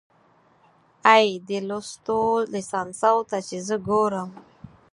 اې، دې لوستو ليسانسو ته چې زه ګورم